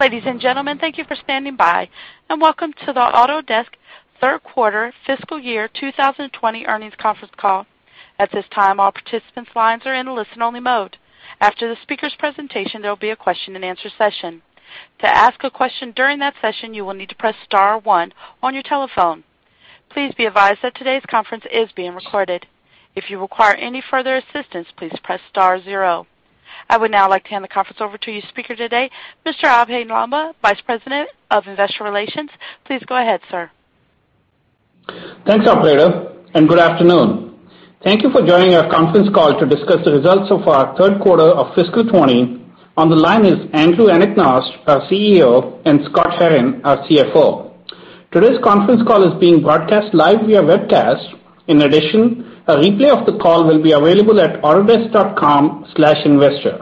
Ladies and gentlemen, thank you for standing by, and welcome to the Autodesk Third Quarter Fiscal Year 2020 Earnings Conference Call. At this time, all participants' lines are in listen only mode. After the speaker's presentation, there will be a question and answer session. To ask a question during that session, you will need to press star one on your telephone. Please be advised that today's conference is being recorded. If you require any further assistance, please press star zero. I would now like to hand the conference over to your speaker today, Mr. Abhey Lamba, Vice President of Investor Relations. Please go ahead, sir. Thanks, operator. Good afternoon. Thank you for joining our conference call to discuss the results of our third quarter of fiscal 2020. On the line is Andrew Anagnost, our CEO, and Scott Herren, our CFO. Today's conference call is being broadcast live via webcast. In addition, a replay of the call will be available at autodesk.com/investor.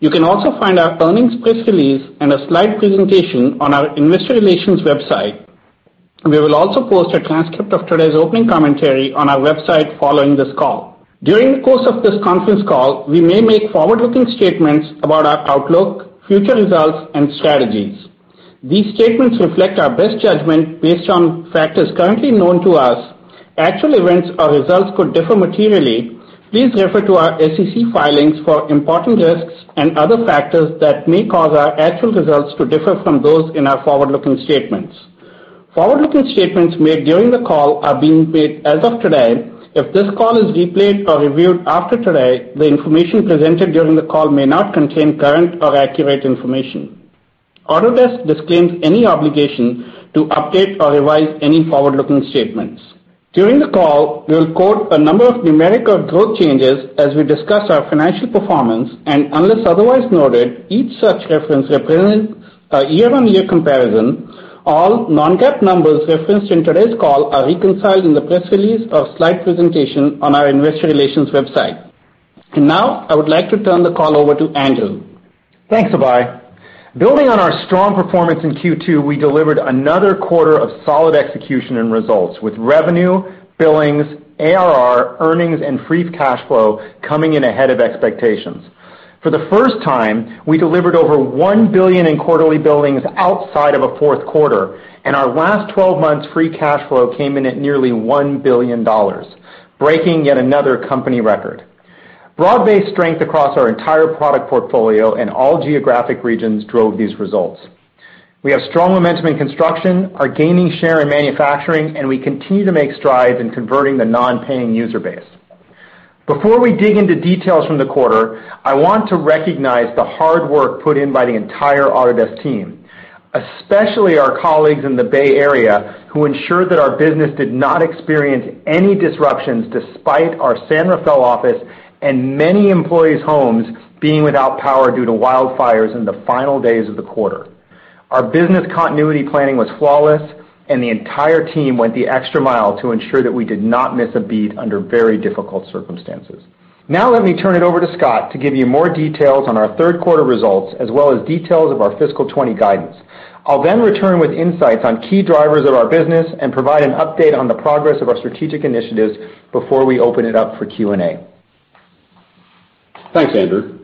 You can also find our earnings press release and a slide presentation on our investor relations website. We will also post a transcript of today's opening commentary on our website following this call. During the course of this conference call, we may make forward-looking statements about our outlook, future results, and strategies. These statements reflect our best judgment based on factors currently known to us. Actual events or results could differ materially. Please refer to our SEC filings for important risks and other factors that may cause our actual results to differ from those in our forward-looking statements. Forward-looking statements made during the call are being made as of today. If this call is replayed or reviewed after today, the information presented during the call may not contain current or accurate information. Autodesk disclaims any obligation to update or revise any forward-looking statements. During the call, we'll quote a number of numerical growth changes as we discuss our financial performance, and unless otherwise noted, each such reference represents a year-on-year comparison. All non-GAAP numbers referenced in today's call are reconciled in the press release or slide presentation on our investor relations website. Now, I would like to turn the call over to Andrew. Thanks, Abhey. Building on our strong performance in Q2, we delivered another quarter of solid execution and results with revenue, billings, ARR, earnings, and free cash flow coming in ahead of expectations. For the first time, we delivered over $1 billion in quarterly billings outside of a fourth quarter, and our last 12 months free cash flow came in at nearly $1 billion, breaking yet another company record. Broad-based strength across our entire product portfolio and all geographic regions drove these results. We have strong momentum in construction, are gaining share in manufacturing, and we continue to make strides in converting the non-paying user base. Before we dig into details from the quarter, I want to recognize the hard work put in by the entire Autodesk team, especially our colleagues in the Bay Area, who ensured that our business did not experience any disruptions despite our San Rafael office and many employees' homes being without power due to wildfires in the final days of the quarter. The entire team went the extra mile to ensure that we did not miss a beat under very difficult circumstances. Let me turn it over to Scott to give you more details on our third quarter results, as well as details of our fiscal 2020 guidance. I'll return with insights on key drivers of our business and provide an update on the progress of our strategic initiatives before we open it up for Q&A. Thanks, Andrew.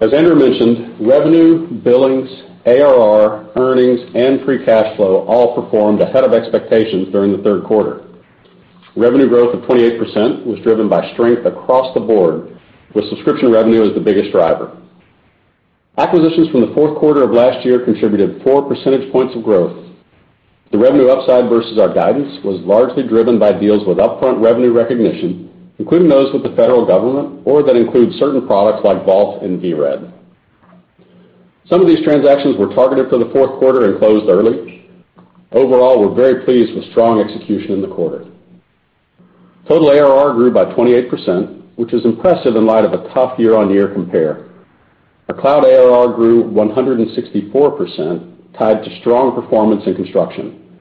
As Andrew mentioned, revenue, billings, ARR, earnings, and free cash flow all performed ahead of expectations during the third quarter. Revenue growth of 28% was driven by strength across the board, with subscription revenue as the biggest driver. Acquisitions from the fourth quarter of last year contributed 4 percentage points of growth. The revenue upside versus our guidance was largely driven by deals with upfront revenue recognition, including those with the federal government or that include certain products like Vault and VRED. Some of these transactions were targeted for the fourth quarter and closed early. Overall, we're very pleased with strong execution in the quarter. Total ARR grew by 28%, which is impressive in light of a tough year-on-year compare. Our cloud ARR grew 164%, tied to strong performance in construction.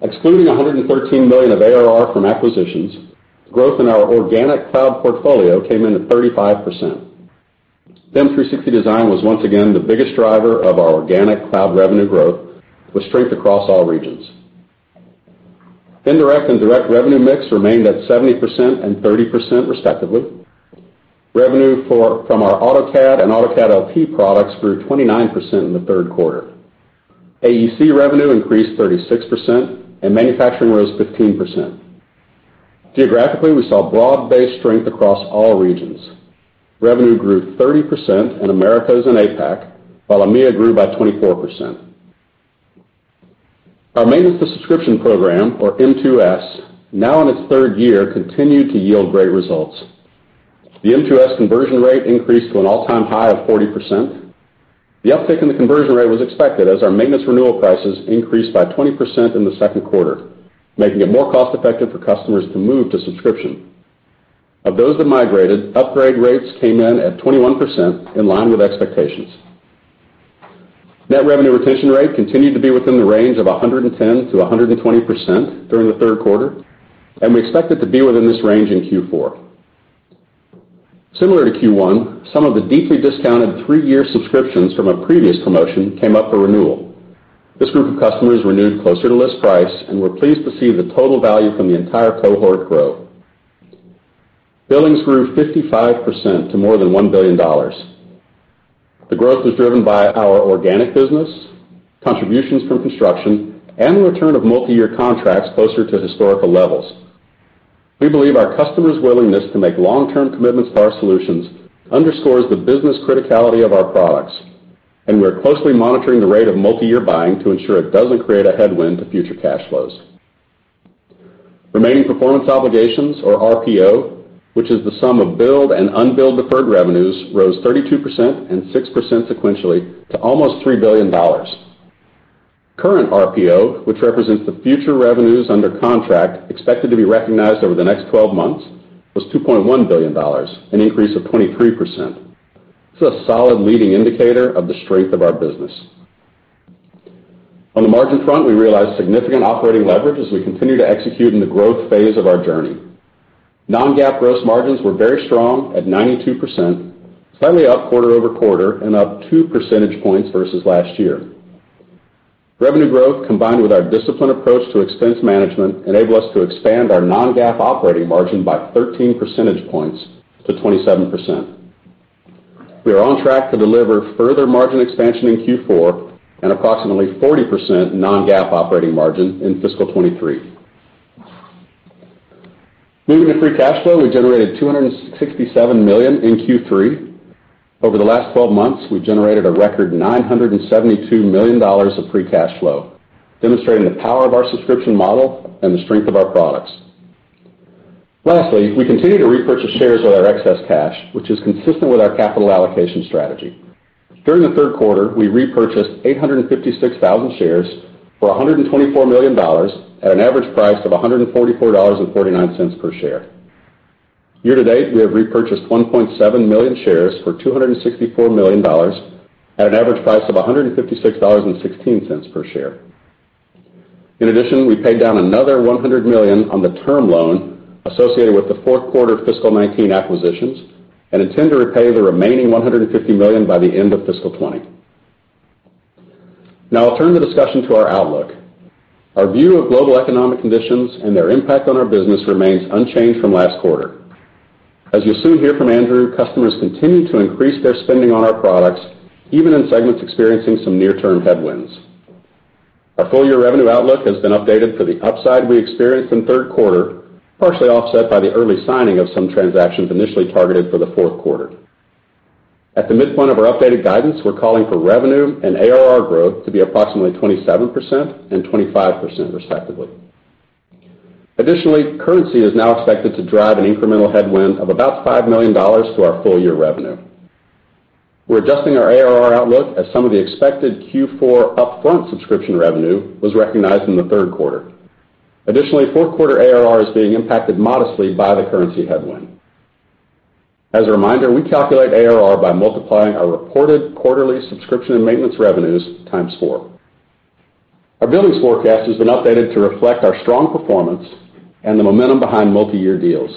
Excluding $113 million of ARR from acquisitions, growth in our organic cloud portfolio came in at 35%. BIM 360 Design was once again the biggest driver of our organic cloud revenue growth, with strength across all regions. Indirect and direct revenue mix remained at 70% and 30%, respectively. Revenue from our AutoCAD and AutoCAD LT products grew 29% in the third quarter. AEC revenue increased 36%, and manufacturing rose 15%. Geographically, we saw broad-based strength across all regions. Revenue grew 30% in Americas and APAC, while EMEA grew by 24%. Our Maintenance to Subscription program, or M2S, now in its third year, continued to yield great results. The M2S conversion rate increased to an all-time high of 40%. The uptick in the conversion rate was expected as our maintenance renewal prices increased by 20% in the second quarter, making it more cost-effective for customers to move to subscription. Of those that migrated, upgrade rates came in at 21%, in line with expectations. Net revenue retention rate continued to be within the range of 110%-120% during the third quarter, and we expect it to be within this range in Q4. Similar to Q1, some of the deeply discounted three-year subscriptions from a previous promotion came up for renewal. This group of customers renewed closer to list price, and we're pleased to see the total value from the entire cohort grow. Billings grew 55% to more than $1 billion. The growth was driven by our organic business, contributions from construction, and the return of multi-year contracts closer to historical levels. We believe our customers' willingness to make long-term commitments to our solutions underscores the business criticality of our products, and we are closely monitoring the rate of multi-year buying to ensure it doesn't create a headwind to future cash flows. Remaining performance obligations or RPO, which is the sum of billed and unbilled deferred revenues, rose 32% and 6% sequentially to almost $3 billion. Current RPO, which represents the future revenues under contract expected to be recognized over the next 12 months, was $2.1 billion, an increase of 23%. This is a solid leading indicator of the strength of our business. On the margin front, we realized significant operating leverage as we continue to execute in the growth phase of our journey. Non-GAAP gross margins were very strong at 92%, slightly up quarter-over-quarter and up two percentage points versus last year. Revenue growth, combined with our disciplined approach to expense management, enable us to expand our non-GAAP operating margin by 13 percentage points to 27%. We are on track to deliver further margin expansion in Q4 and approximately 40% non-GAAP operating margin in fiscal 2023. Moving to free cash flow, we generated $267 million in Q3. Over the last 12 months, we've generated a record $972 million of free cash flow, demonstrating the power of our subscription model and the strength of our products. Lastly, we continue to repurchase shares with our excess cash, which is consistent with our capital allocation strategy. During the third quarter, we repurchased 856,000 shares for $124 million at an average price of $144.49 per share. Year to date, we have repurchased 1.7 million shares for $264 million at an average price of $156.16 per share. In addition, we paid down another $100 million on the term loan associated with the fourth quarter fiscal 2019 acquisitions and intend to repay the remaining $150 million by the end of fiscal 2020. Now, I'll turn the discussion to our outlook. Our view of global economic conditions and their impact on our business remains unchanged from last quarter. As you'll soon hear from Andrew, customers continue to increase their spending on our products, even in segments experiencing some near-term headwinds. Our full-year revenue outlook has been updated for the upside we experienced in the third quarter, partially offset by the early signing of some transactions initially targeted for the fourth quarter. At the midpoint of our updated guidance, we're calling for revenue and ARR growth to be approximately 27% and 25%, respectively. Additionally, currency is now expected to drive an incremental headwind of about $5 million to our full-year revenue. We're adjusting our ARR outlook as some of the expected Q4 upfront subscription revenue was recognized in the third quarter. Additionally, fourth quarter ARR is being impacted modestly by the currency headwind. As a reminder, we calculate ARR by multiplying our reported quarterly subscription and maintenance revenues times four. Our billings forecast has been updated to reflect our strong performance and the momentum behind multi-year deals.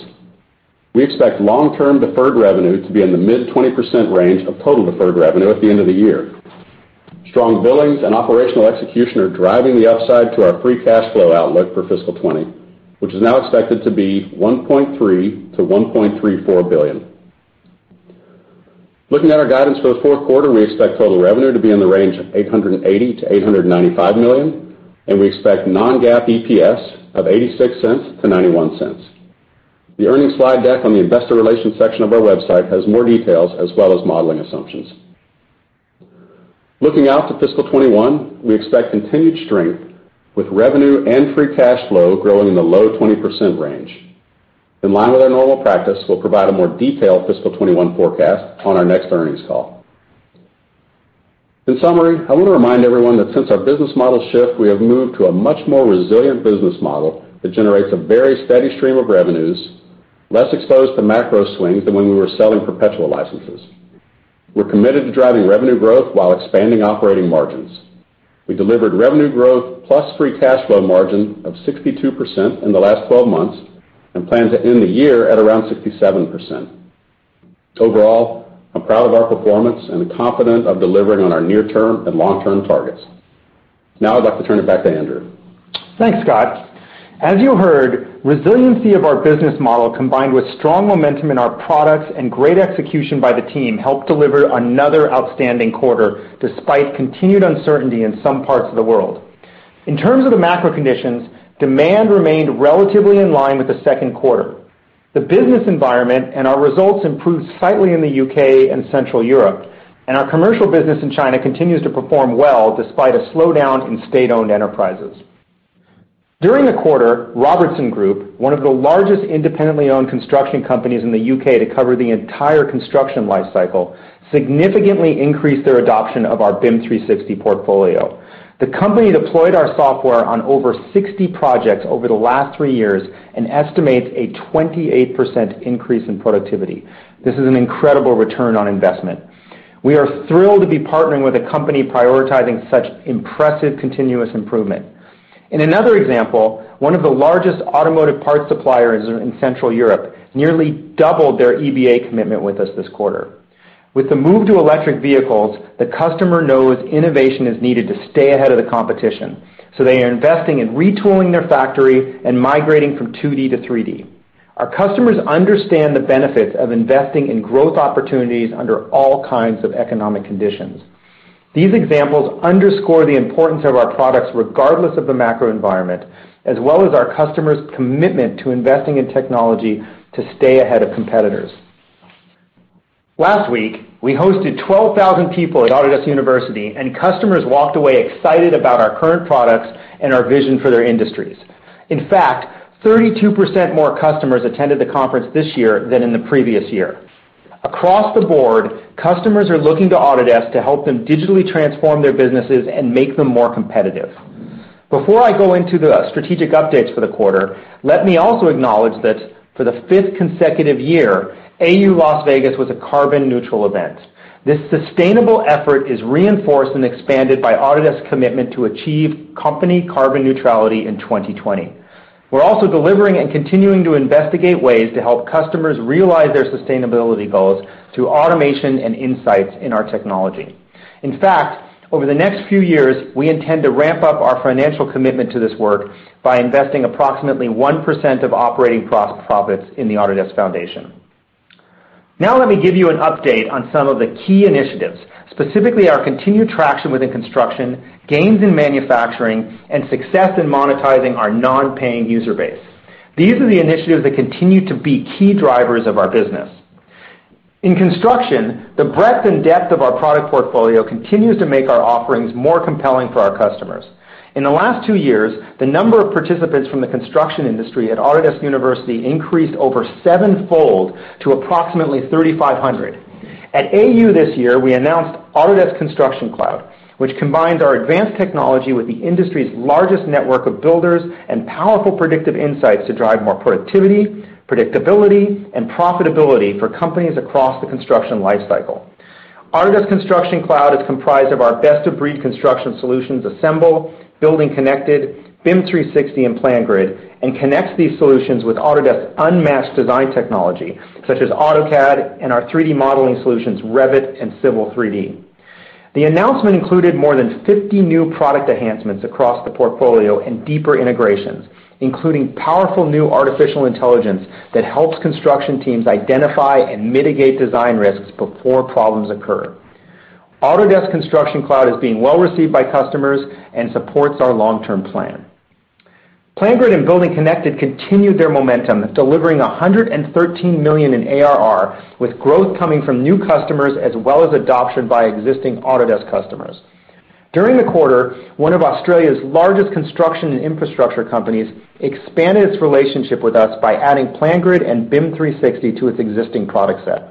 We expect long-term deferred revenue to be in the mid-20% range of total deferred revenue at the end of the year. Strong billings and operational execution are driving the upside to our free cash flow outlook for fiscal 2020, which is now expected to be $1.3 billion-$1.34 billion. Looking at our guidance for the fourth quarter, we expect total revenue to be in the range of $880 million-$895 million, and we expect non-GAAP EPS of $0.86-$0.91. The earnings slide deck on the investor relations section of our website has more details as well as modeling assumptions. Looking out to fiscal 2021, we expect continued strength with revenue and free cash flow growing in the low 20% range. In line with our normal practice, we'll provide a more detailed fiscal 2021 forecast on our next earnings call. In summary, I want to remind everyone that since our business model shift, we have moved to a much more resilient business model that generates a very steady stream of revenues, less exposed to macro swings than when we were selling perpetual licenses. We're committed to driving revenue growth while expanding operating margins. We delivered revenue growth plus free cash flow margin of 62% in the last 12 months and plan to end the year at around 67%. Overall, I'm proud of our performance and confident of delivering on our near-term and long-term targets. I'd like to turn it back to Andrew. Thanks, Scott. As you heard, the resiliency of our business model, combined with strong momentum in our products and great execution by the team, helped deliver another outstanding quarter despite continued uncertainty in some parts of the world. In terms of the macro conditions, demand remained relatively in line with the second quarter. The business environment and our results improved slightly in the U.K. and Central Europe. Our commercial business in China continues to perform well despite a slowdown in state-owned enterprises. During the quarter, Robertson Group, one of the largest independently owned construction companies in the U.K. to cover the entire construction life cycle, significantly increased their adoption of our BIM 360 portfolio. The company deployed our software on over 60 projects over the last three years and estimates a 28% increase in productivity. This is an incredible return on investment. We are thrilled to be partnering with a company prioritizing such impressive continuous improvement. In another example, one of the largest automotive parts suppliers in Central Europe nearly doubled their EBA commitment with us this quarter. With the move to electric vehicles, the customer knows innovation is needed to stay ahead of the competition, so they are investing in retooling their factory and migrating from 2D to 3D. Our customers understand the benefits of investing in growth opportunities under all kinds of economic conditions. These examples underscore the importance of our products regardless of the macro environment, as well as our customers' commitment to investing in technology to stay ahead of competitors. Last week, we hosted 12,000 people at Autodesk University, and customers walked away excited about our current products and our vision for their industries. In fact, 32% more customers attended the conference this year than in the previous year. Across the board, customers are looking to Autodesk to help them digitally transform their businesses and make them more competitive. Before I go into the strategic updates for the quarter, let me also acknowledge that for the fifth consecutive year, AU Las Vegas was a carbon-neutral event. This sustainable effort is reinforced and expanded by Autodesk's commitment to achieve company carbon neutrality in 2020. We're also delivering and continuing to investigate ways to help customers realize their sustainability goals through automation and insights in our technology. In fact, over the next few years, we intend to ramp up our financial commitment to this work by investing approximately 1% of operating profits in the Autodesk Foundation. Now let me give you an update on some of the key initiatives, specifically our continued traction within construction, gains in manufacturing, and success in monetizing our non-paying user base. These are the initiatives that continue to be key drivers of our business. In construction, the breadth and depth of our product portfolio continues to make our offerings more compelling for our customers. In the last two years, the number of participants from the construction industry at Autodesk University increased over sevenfold to approximately 3,500. At AU this year, we announced Autodesk Construction Cloud, which combines our advanced technology with the industry's largest network of builders and powerful predictive insights to drive more productivity, predictability, and profitability for companies across the construction life cycle. Autodesk Construction Cloud is comprised of our best-of-breed construction solutions Assemble, BuildingConnected, BIM 360, and PlanGrid, and connects these solutions with Autodesk's unmatched design technology, such as AutoCAD and our 3D modeling solutions, Revit and Civil 3D. The announcement included more than 50 new product enhancements across the portfolio and deeper integrations, including powerful new artificial intelligence that helps construction teams identify and mitigate design risks before problems occur. Autodesk Construction Cloud is being well received by customers and supports our long-term plan. PlanGrid and BuildingConnected continued their momentum, delivering $113 million in ARR, with growth coming from new customers as well as adoption by existing Autodesk customers. During the quarter, one of Australia's largest construction and infrastructure companies expanded its relationship with us by adding PlanGrid and BIM 360 to its existing product set.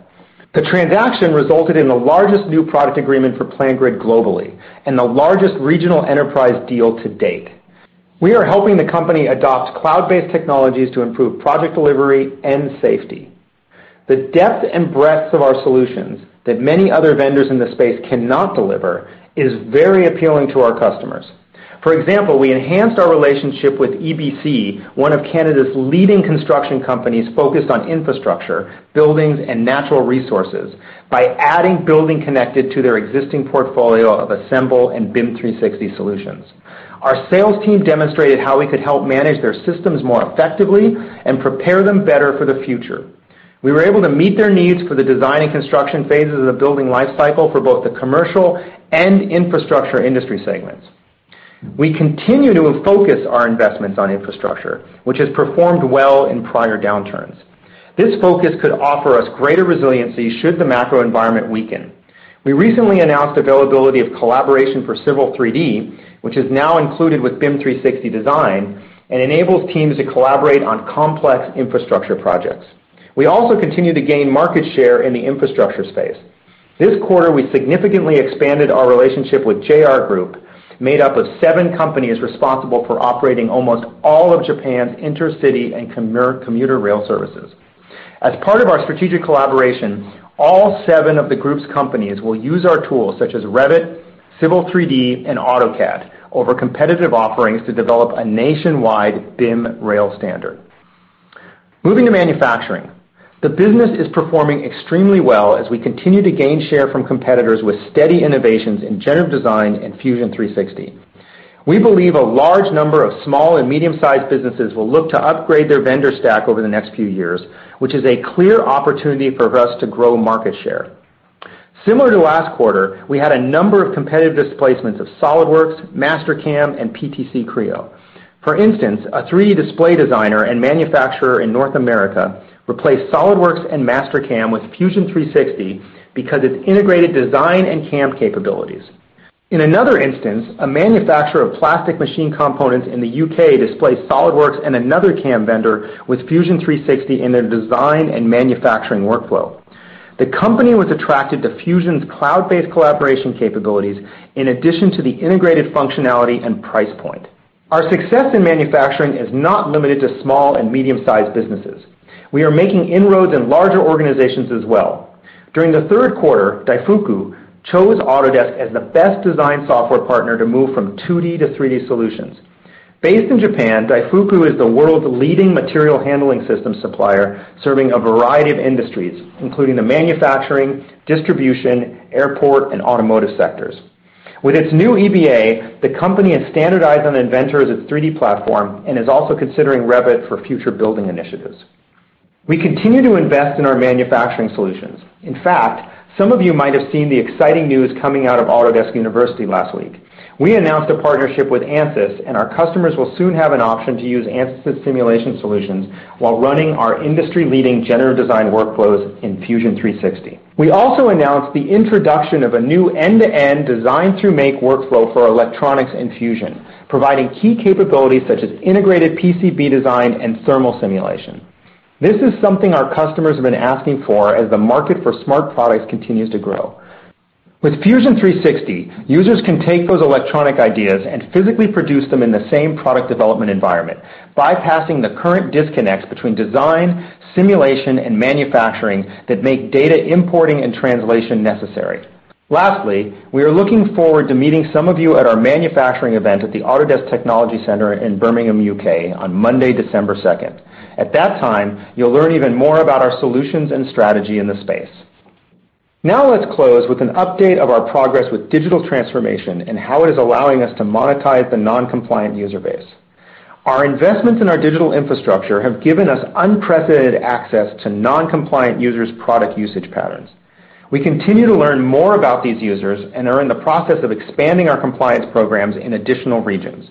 The transaction resulted in the largest new product agreement for PlanGrid globally and the largest regional enterprise deal to date. We are helping the company adopt cloud-based technologies to improve project delivery and safety. The depth and breadth of our solutions that many other vendors in this space cannot deliver is very appealing to our customers. For example, we enhanced our relationship with EBC, one of Canada's leading construction companies focused on infrastructure, buildings, and natural resources by adding BuildingConnected to their existing portfolio of Assemble and BIM 360 solutions. Our sales team demonstrated how we could help manage their systems more effectively and prepare them better for the future. We were able to meet their needs for the design and construction phases of the building life cycle for both the commercial and infrastructure industry segments. We continue to focus our investments on infrastructure, which has performed well in prior downturns. This focus could offer us greater resiliency should the macro environment weaken. We recently announced availability of Collaboration for Civil 3D, which is now included with BIM 360 Design and enables teams to collaborate on complex infrastructure projects. We also continue to gain market share in the infrastructure space. This quarter, we significantly expanded our relationship with JR Group, made up of seven companies responsible for operating almost all of Japan's intercity and commuter rail services. As part of our strategic collaboration, all seven of the group's companies will use our tools such as Revit, Civil 3D, and AutoCAD over competitive offerings to develop a nationwide BIM rail standard. Moving to manufacturing, the business is performing extremely well as we continue to gain share from competitors with steady innovations in generative design and Fusion 360. We believe a large number of small and medium-sized businesses will look to upgrade their vendor stack over the next few years, which is a clear opportunity for us to grow market share. Similar to last quarter, we had a number of competitive displacements of SOLIDWORKS, Mastercam, and PTC Creo. For instance, a 3D display designer and manufacturer in North America replaced SOLIDWORKS and Mastercam with Fusion 360 because it's integrated design and CAM capabilities. In another instance, a manufacturer of plastic machine components in the U.K. displaced SOLIDWORKS and another CAM vendor with Fusion 360 in their design and manufacturing workflow. The company was attracted to Fusion's cloud-based collaboration capabilities in addition to the integrated functionality and price point. Our success in manufacturing is not limited to small and medium-sized businesses. We are making inroads in larger organizations as well. During the third quarter, Daifuku chose Autodesk as the best design software partner to move from 2D to 3D solutions. Based in Japan, Daifuku is the world's leading material handling system supplier, serving a variety of industries, including the manufacturing, distribution, airport, and automotive sectors. With its new EBA, the company has standardized on Inventor as its 3D platform, and is also considering Revit for future building initiatives. We continue to invest in our manufacturing solutions. In fact, some of you might have seen the exciting news coming out of Autodesk University last week. Our customers will soon have an option to use Ansys simulation solutions while running our industry-leading generative design workflows in Fusion 360. We also announced the introduction of a new end-to-end design through make workflow for electronics in Fusion, providing key capabilities such as integrated PCB design and thermal simulation. This is something our customers have been asking for as the market for smart products continues to grow. With Fusion 360, users can take those electronic ideas and physically produce them in the same product development environment, bypassing the current disconnects between design, simulation, and manufacturing that make data importing and translation necessary. Lastly, we are looking forward to meeting some of you at our manufacturing event at the Autodesk Technology Center in Birmingham, U.K. on Monday, December 2nd. At that time, you'll learn even more about our solutions and strategy in the space. Let's close with an update of our progress with digital transformation and how it is allowing us to monetize the non-compliant user base. Our investments in our digital infrastructure have given us unprecedented access to non-compliant users' product usage patterns. We continue to learn more about these users and are in the process of expanding our compliance programs in additional regions.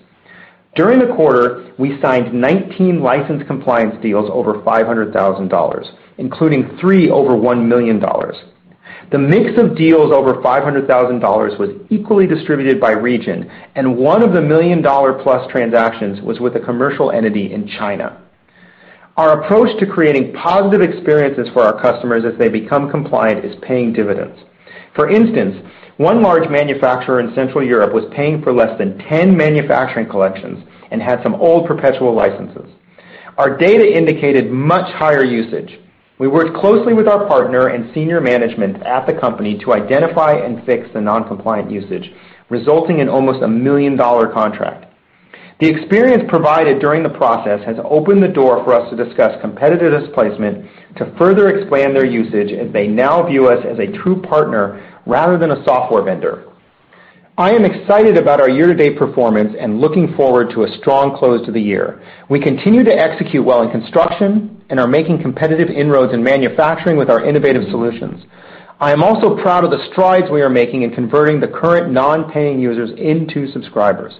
During the quarter, we signed 19 license compliance deals over $500,000, including 3 over $1 million. The mix of deals over $500,000 was equally distributed by region, and one of the million-dollar plus transactions was with a commercial entity in China. Our approach to creating positive experiences for our customers as they become compliant is paying dividends. For instance, one large manufacturer in Central Europe was paying for less than 10 manufacturing collections and had some old perpetual licenses. Our data indicated much higher usage. We worked closely with our partner and senior management at the company to identify and fix the non-compliant usage, resulting in almost a million-dollar contract. The experience provided during the process has opened the door for us to discuss competitive displacement to further expand their usage as they now view us as a true partner rather than a software vendor. I am excited about our year-to-date performance and looking forward to a strong close to the year. We continue to execute well in construction and are making competitive inroads in manufacturing with our innovative solutions. I am also proud of the strides we are making in converting the current non-paying users into subscribers.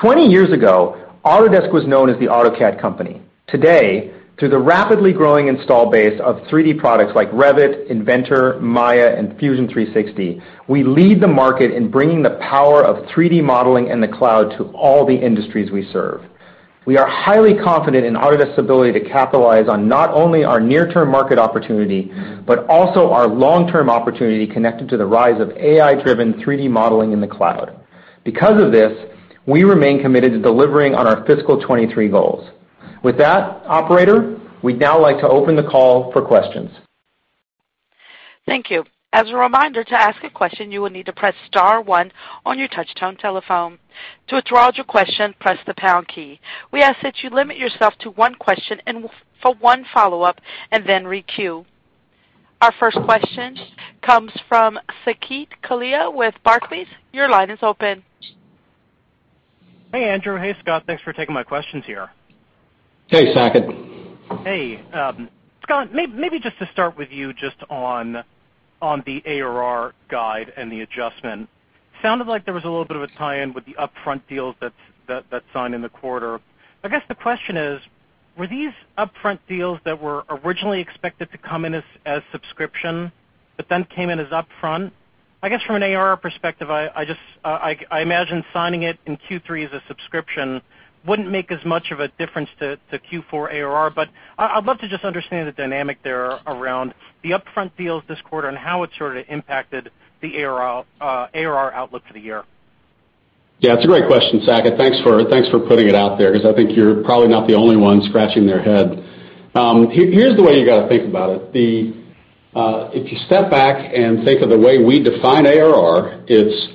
20 years ago, Autodesk was known as the AutoCAD company. Today, through the rapidly growing install base of 3D products like Revit, Inventor, Maya, and Fusion 360, we lead the market in bringing the power of 3D modeling and the cloud to all the industries we serve. We are highly confident in Autodesk's ability to capitalize on not only our near-term market opportunity, but also our long-term opportunity connected to the rise of AI-driven 3D modeling in the cloud. Because of this, we remain committed to delivering on our fiscal 2023 goals. With that, operator, we'd now like to open the call for questions. Thank you. As a reminder, to ask a question, you will need to press star one on your touch-tone telephone. To withdraw your question, press the pound key. We ask that you limit yourself to one question and for one follow-up, and then re-queue. Our first question comes from Saket Kalia with Barclays. Your line is open. Hey, Andrew. Hey, Scott. Thanks for taking my questions here. Hey, Saket. Hey. Scott, maybe just to start with you just on the ARR guide and the adjustment. Sounded like there was a little bit of a tie-in with the upfront deals that signed in the quarter. I guess the question is, were these upfront deals that were originally expected to come in as subscription but then came in as upfront? I guess from an ARR perspective, I imagine signing it in Q3 as a subscription wouldn't make as much of a difference to Q4 ARR, but I'd love to just understand the dynamic there around the upfront deals this quarter and how it sort of impacted the ARR outlook for the year. It's a great question, Saket. Thanks for putting it out there, because I think you're probably not the only one scratching their head. Here's the way you got to think about it. If you step back and think of the way we define ARR, it's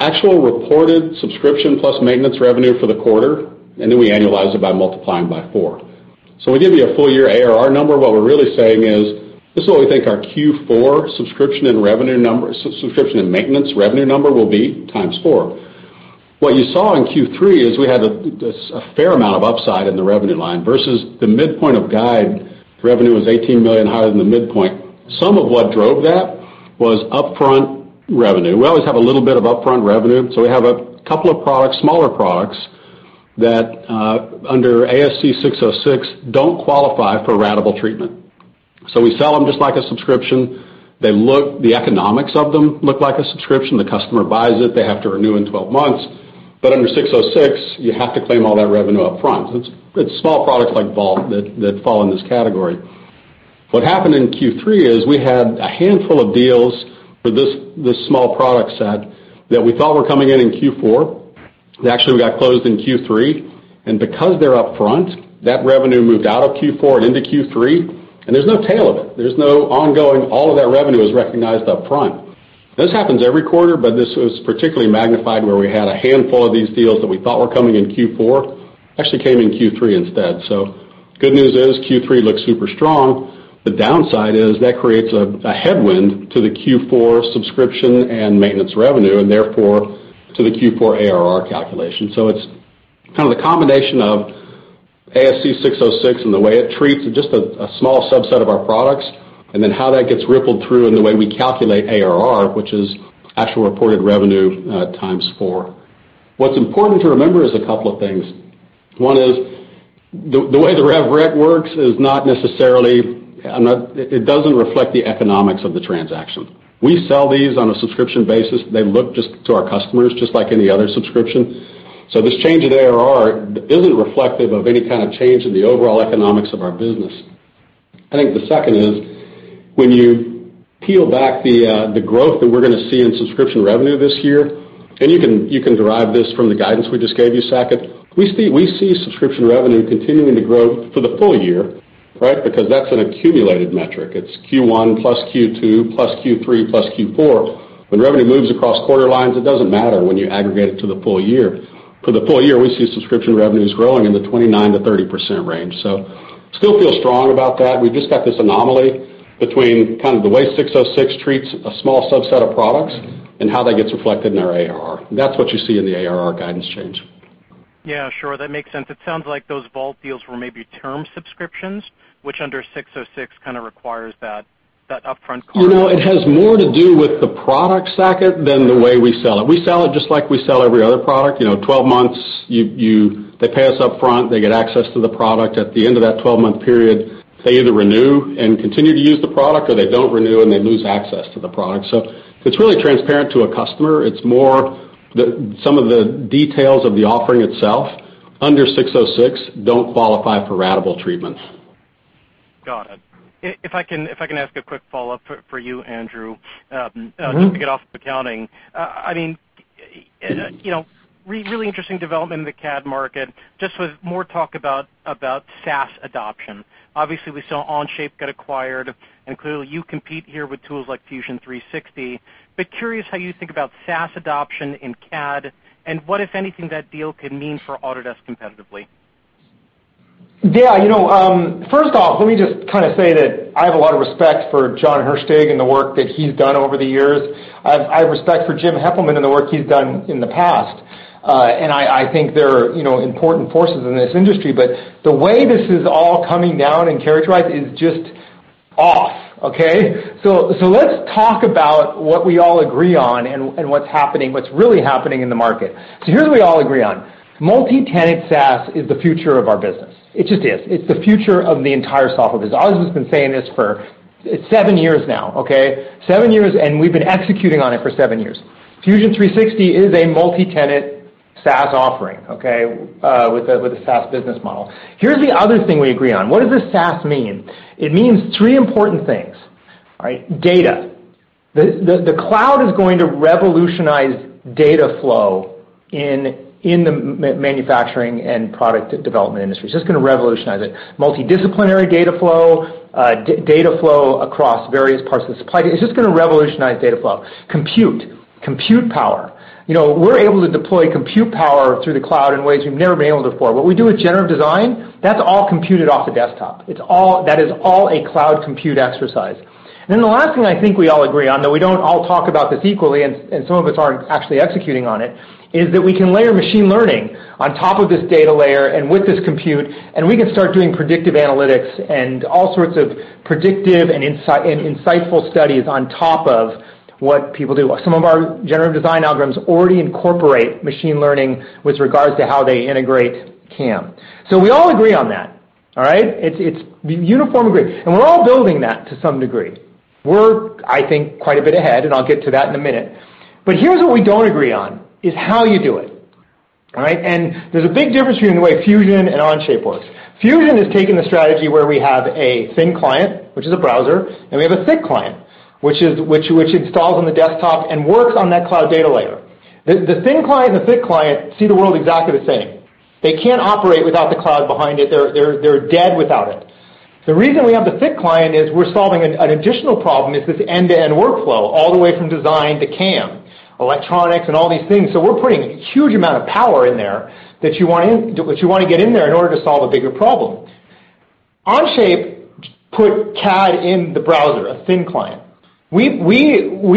actual reported subscription plus maintenance revenue for the quarter, and then we annualize it by multiplying by four. When we give you a full-year ARR number, what we're really saying is this is what we think our Q4 subscription and maintenance revenue number will be times four. What you saw in Q3 is we had a fair amount of upside in the revenue line versus the midpoint of guide revenue was $18 million higher than the midpoint. Some of what drove that was upfront revenue. We always have a little bit of upfront revenue. We have a couple of products, smaller products, that under ASC 606, don't qualify for ratable treatment. We sell them just like a subscription. The economics of them look like a subscription. The customer buys it. They have to renew in 12 months. Under 606, you have to claim all that revenue up front. It's small products like Vault that fall in this category. What happened in Q3 is we had a handful of deals with this small product set that we thought were coming in in Q4. They actually got closed in Q3. Because they're upfront, that revenue moved out of Q4 and into Q3, and there's no tail of it. There's no ongoing. All of that revenue is recognized upfront. This happens every quarter, but this was particularly magnified where we had a handful of these deals that we thought were coming in Q4, actually came in Q3 instead. The good news is Q3 looks super strong. The downside is that creates a headwind to the Q4 subscription and maintenance revenue, and therefore to the Q4 ARR calculation. It's the combination of ASC 606 and the way it treats just a small subset of our products, and then how that gets rippled through and the way we calculate ARR, which is actual reported revenue times four. What's important to remember is a couple of things. One is, the way the rev rec works is not necessarily. It doesn't reflect the economics of the transaction. We sell these on a subscription basis. They look just to our customers, just like any other subscription. This change in ARR isn't reflective of any kind of change in the overall economics of our business. I think the second is, when you peel back the growth that we're going to see in subscription revenue this year, and you can derive this from the guidance we just gave you, Saket. We see subscription revenue continuing to grow for the full year, right? That's an accumulated metric. It's Q1 plus Q2 plus Q3 plus Q4. When revenue moves across quarter lines, it doesn't matter when you aggregate it to the full year. For the full year, we see subscription revenues growing in the 29%-30% range. Still feel strong about that. We've just got this anomaly between the way 606 treats a small subset of products and how that gets reflected in our ARR. That's what you see in the ARR guidance change. Yeah, sure. That makes sense. It sounds like those Vault deals were maybe term subscriptions, which under 606 kind of requires that upfront cost. It has more to do with the product, Saket, than the way we sell it. We sell it just like we sell every other product. 12 months, they pay us upfront, they get access to the product. At the end of that 12-month period, they either renew and continue to use the product, or they don't renew and they lose access to the product. It's really transparent to a customer. It's more some of the details of the offering itself, under 606, don't qualify for ratable treatment. Got it. If I can ask a quick follow-up for you, Andrew. Just to get off accounting. Really interesting development in the CAD market, just with more talk about SaaS adoption. Obviously, we saw Onshape get acquired, and clearly you compete here with tools like Fusion 360. Curious how you think about SaaS adoption in CAD, and what, if anything, that deal could mean for Autodesk competitively. Yeah. First off, let me just say that I have a lot of respect for Jon Hirschtick and the work that he's done over the years. I have respect for Jim Heppelmann and the work he's done in the past. I think they're important forces in this industry. The way this is all coming down and characterized is just off, okay? Let's talk about what we all agree on and what's happening, what's really happening in the market. Here's what we all agree on. Multi-tenant SaaS is the future of our business. It just is. It's the future of the entire software business. Autodesk has been saying this for seven years now, okay? Seven years, and we've been executing on it for seven years. Fusion 360 is a multi-tenant SaaS offering with a SaaS business model. Here's the other thing we agree on. What does this SaaS mean? It means three important things. Data. The cloud is going to revolutionize data flow in the manufacturing and product development industry. It's just going to revolutionize it. Multidisciplinary data flow, data flow across various parts of the supply chain. It's just going to revolutionize data flow. Compute. Compute power. We're able to deploy compute power through the cloud in ways we've never been able before. What we do with generative design, that's all computed off a desktop. That is all a cloud compute exercise. The last thing I think we all agree on, though we don't all talk about this equally, and some of us aren't actually executing on it, is that we can layer machine learning on top of this data layer and with this compute, and we can start doing predictive analytics and all sorts of predictive and insightful studies on top of what people do. Some of our generative design algorithms already incorporate machine learning with regards to how they integrate CAM. We all agree on that. All right? It's uniform agreement. We're all building that to some degree. We're, I think, quite a bit ahead, and I'll get to that in a minute. Here's what we don't agree on, is how you do it. All right? There's a big difference between the way Fusion and Onshape work. Fusion has taken the strategy where we have a thin client, which is a browser, and we have a thick client, which installs on the desktop and works on that cloud data layer. The thin client and the thick client see the world exactly the same. They can't operate without the cloud behind it. They're dead without it. The reason we have the thick client is we're solving an additional problem, is this end-to-end workflow, all the way from design to CAM, electronics, and all these things. We're putting a huge amount of power in there that you want to get in there in order to solve a bigger problem. Onshape put CAD in the browser, a thin client. We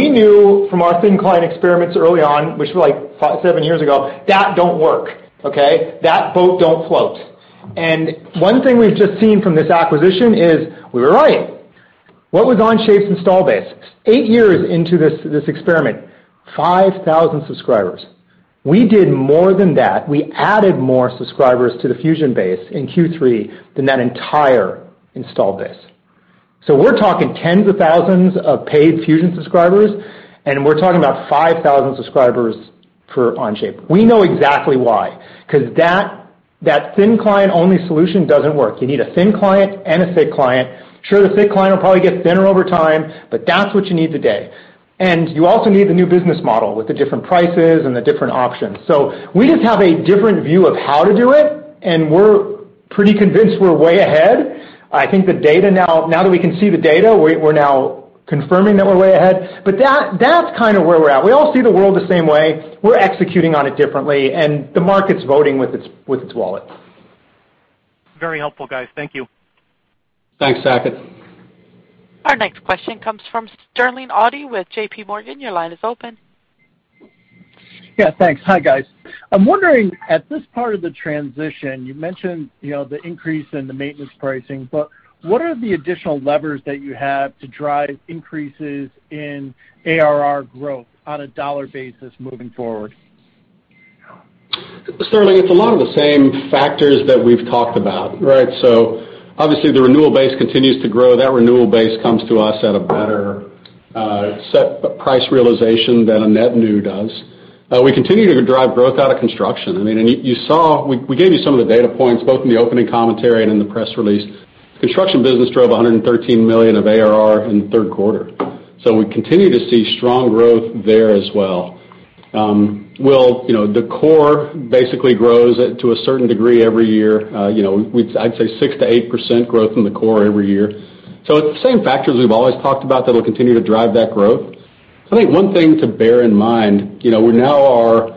knew from our thin client experiments early on, which were seven years ago, that don't work. Okay? That boat don't float. One thing we've just seen from this acquisition is we were right. What was Onshape's install base? eight years into this experiment, 5,000 subscribers. We did more than that. We added more subscribers to the Fusion base in Q3 than that entire install base. We're talking tens of thousands of paid Fusion subscribers, and we're talking about 5,000 subscribers for Onshape. We know exactly why. That thin client-only solution doesn't work. You need a thin client and a thick client. Sure, the thick client will probably get thinner over time, but that's what you need today. You also need the new business model with the different prices and the different options. We just have a different view of how to do it, and we're pretty convinced we're way ahead. I think now that we can see the data, we're now confirming that we're way ahead. That's kind of where we're at. We all see the world the same way. We're executing on it differently, and the market's voting with its wallet. Very helpful, guys. Thank you. Thanks, Saket. Our next question comes from Sterling Auty with JPMorgan. Your line is open. Yeah, thanks. Hi, guys. I'm wondering, at this part of the transition, you mentioned the increase in the maintenance pricing, what are the additional levers that you have to drive increases in ARR growth on a dollar basis moving forward? Sterling, it's a lot of the same factors that we've talked about, right? Obviously the renewal base continues to grow. That renewal base comes to us at a better set price realization than a net new does. We continue to drive growth out of construction. We gave you some of the data points both in the opening commentary and in the press release. Construction business drove $113 million of ARR in the third quarter. We continue to see strong growth there as well. The core basically grows to a certain degree every year. I'd say 6%-8% growth in the core every year. It's the same factors we've always talked about that will continue to drive that growth. I think one thing to bear in mind, we now are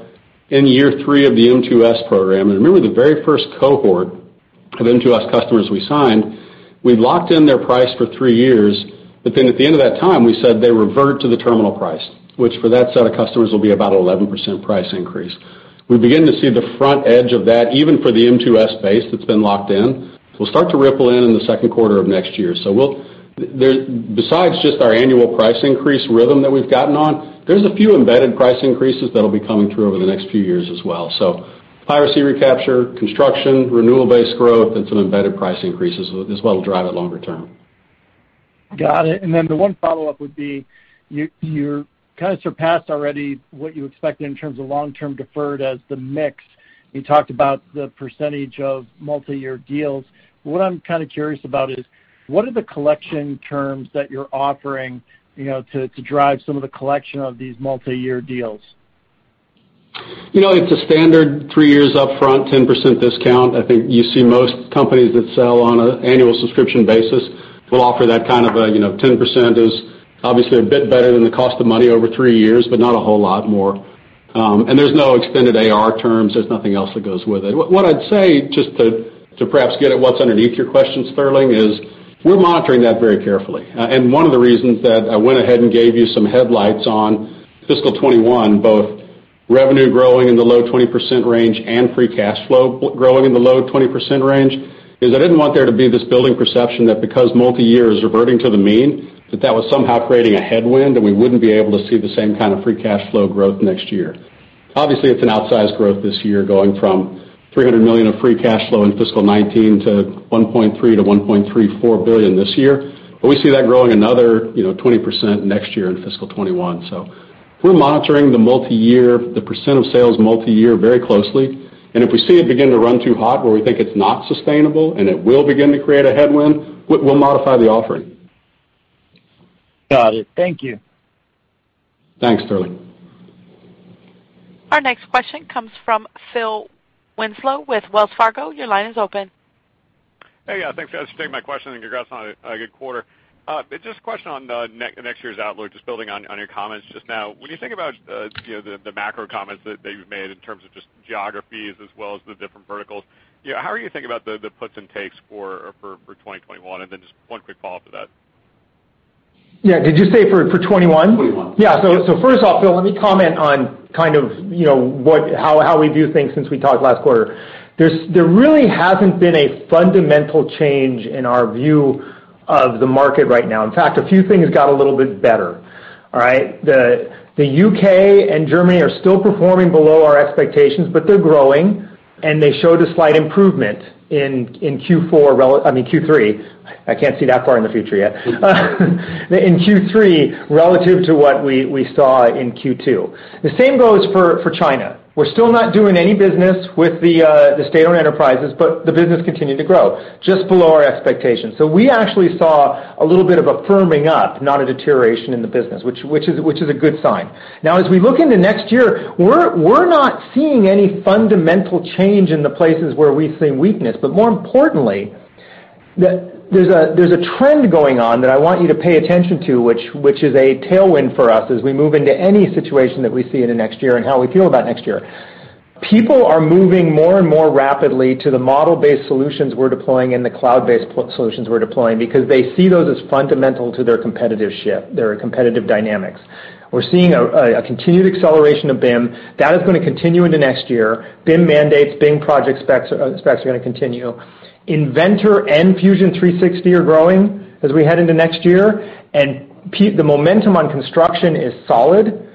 in year three of the M2S program. Remember the very first cohort of M2S customers we signed, we locked in their price for three years, but then at the end of that time, we said they revert to the terminal price, which for that set of customers will be about an 11% price increase. We begin to see the front edge of that, even for the M2S base that's been locked in. It'll start to ripple in in the second quarter of next year. Besides just our annual price increase rhythm that we've gotten on, there's a few embedded price increases that'll be coming through over the next few years as well. Piracy recapture, construction, renewal-based growth, and some embedded price increases is what will drive it longer term. Got it. The one follow-up would be, you kind of surpassed already what you expected in terms of long-term deferred as the mix. You talked about the percentage of multi-year deals. What I'm kind of curious about is, what are the collection terms that you're offering to drive some of the collection of these multi-year deals? It's a standard three years up front, 10% discount. I think you see most companies that sell on an annual subscription basis will offer that kind of 10% is obviously a bit better than the cost of money over three years, but not a whole lot more. There's no extended AR terms. There's nothing else that goes with it. What I'd say, just to perhaps get at what's underneath your questions, Sterling, is we're monitoring that very carefully. One of the reasons that I went ahead and gave you some headlights on fiscal 2021, both revenue growing in the low 20% range and free cash flow growing in the low 20% range, is I didn't want there to be this building perception that because multi-year is reverting to the mean, that that was somehow creating a headwind, and we wouldn't be able to see the same kind of free cash flow growth next year. Obviously, it's an outsized growth this year, going from $300 million of free cash flow in fiscal 2019 to $1.3 billion-$1.34 billion this year, but we see that growing another 20% next year in fiscal 2021. We're monitoring the percent of sales multi-year very closely, and if we see it begin to run too hot where we think it's not sustainable and it will begin to create a headwind, we'll modify the offering. Got it. Thank you. Thanks, Sterling. Our next question comes from Phil Winslow with Wells Fargo. Your line is open. Hey. Yeah, thanks, guys, for taking my question. Congrats on a good quarter. Just a question on next year's outlook, just building on your comments just now. When you think about the macro comments that you've made in terms of just geographies as well as the different verticals, how are you thinking about the puts and takes for 2021? Just one quick follow-up to that. Yeah. Did you say for 2021? 2021. Yeah. First off, Phil, let me comment on kind of how we view things since we talked last quarter. There really hasn't been a fundamental change in our view of the market right now. In fact, a few things got a little bit better. All right? The U.K. and Germany are still performing below our expectations, but they're growing, and they showed a slight improvement in Q3. I can't see that far in the future yet. In Q3, relative to what we saw in Q2. The same goes for China. We're still not doing any business with the state-owned enterprises, but the business continued to grow, just below our expectations. We actually saw a little bit of a firming up, not a deterioration in the business, which is a good sign. As we look into next year, we're not seeing any fundamental change in the places where we've seen weakness. More importantly, there's a trend going on that I want you to pay attention to, which is a tailwind for us as we move into any situation that we see into next year and how we feel about next year. People are moving more and more rapidly to the model-based solutions we're deploying and the cloud-based solutions we're deploying because they see those as fundamental to their competitive ship, their competitive dynamics. We're seeing a continued acceleration of BIM. That is going to continue into next year. BIM mandates, BIM project specs are going to continue. Inventor and Fusion 360 are growing as we head into next year. The momentum on construction is solid.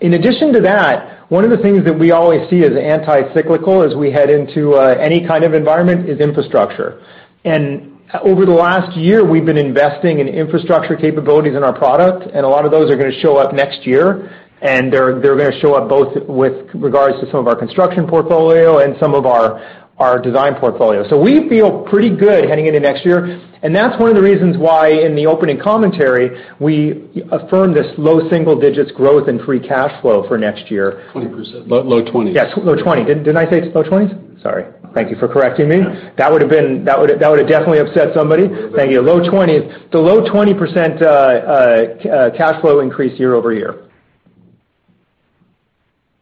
In addition to that, one of the things that we always see as anti-cyclical as we head into any kind of environment is infrastructure. Over the last year, we've been investing in infrastructure capabilities in our product, and a lot of those are going to show up next year, and they're going to show up both with regards to some of our construction portfolio and some of our design portfolio. We feel pretty good heading into next year, and that's one of the reasons why, in the opening commentary, we affirmed this low single digits growth in free cash flow for next year. 20%. Low 20s. Yes, low 20. Didn't I say low 20s? Sorry. Thank you for correcting me. That would have definitely upset somebody. Thank you. Low 20s. The low 20% cash flow increase year-over-year.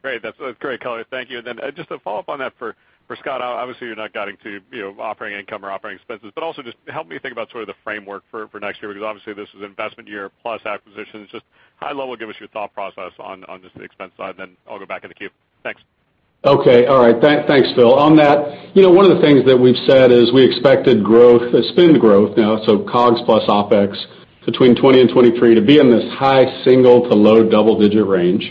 Great. That's great, Kelly. Thank you. Then just to follow up on that for Scott, obviously you're not guiding to operating income or operating expenses, but also just help me think about the framework for next year, because obviously this is an investment year plus acquisitions. Just high level, give us your thought process on just the expense side, then I'll go back in the queue. Thanks. Okay. All right. Thanks, Phil. One of the things that we've said is we expected spend growth, so COGS plus OPEX, between 2020 and 2023 to be in this high single to low double digit range.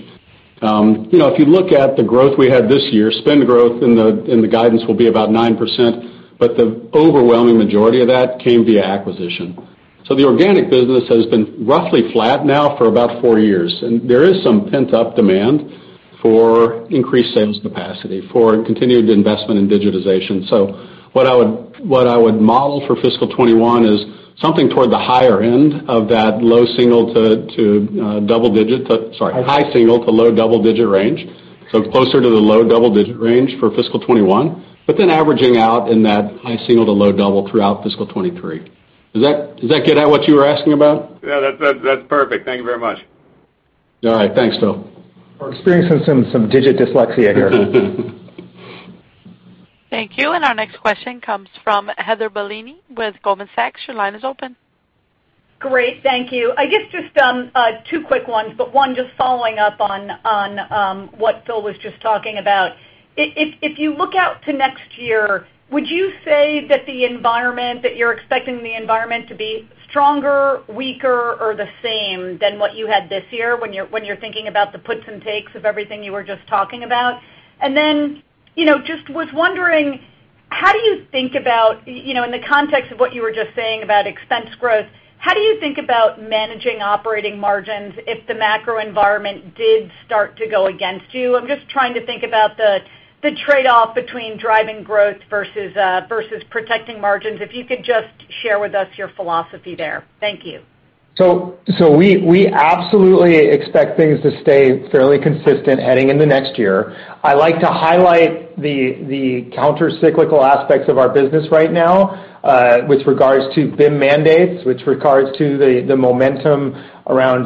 If you look at the growth we had this year, spend growth in the guidance will be about 9%, but the overwhelming majority of that came via acquisition. The organic business has been roughly flat now for about four years, and there is some pent-up demand for increased sales capacity, for continued investment in digitization. What I would model for fiscal 2021 is something toward the higher end of that low single to low double digit range, so closer to the low double digit range for fiscal 2021, averaging out in that high single to low double throughout fiscal 2023. Does that get at what you were asking about? Yeah, that's perfect. Thank you very much. All right. Thanks, Phil. We're experiencing some digit dyslexia here. Thank you. Our next question comes from Heather Bellini with Goldman Sachs. Your line is open. Great. Thank you. I guess just two quick ones, but one just following up on what Phil was just talking about. If you look out to next year, would you say that you're expecting the environment to be stronger, weaker, or the same than what you had this year when you're thinking about the puts and takes of everything you were just talking about? Just was wondering, in the context of what you were just saying about expense growth, how do you think about managing operating margins if the macro environment did start to go against you? I'm just trying to think about the trade-off between driving growth versus protecting margins. If you could just share with us your philosophy there. Thank you. We absolutely expect things to stay fairly consistent heading into next year. I like to highlight the counter-cyclical aspects of our business right now with regards to BIM mandates, with regards to the momentum around